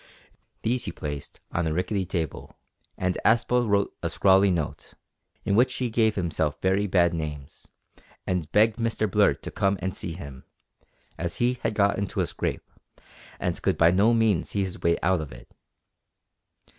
These he placed on a rickety table, and Aspel wrote a scrawly note, in which he gave himself very bad names, and begged Mr Blurt to come and see him, as he had got into a scrape, and could by no means see his way out of it.